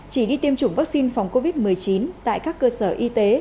chỉ đi tiêm chủng vaccine phòng covid một mươi chín tại các cơ sở y tế